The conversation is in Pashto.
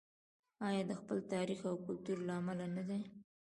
آیا د خپل تاریخ او کلتور له امله نه دی؟